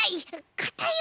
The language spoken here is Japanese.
かたいよ